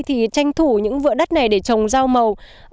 thì tranh thủ những vựa đất này để trồng rau màu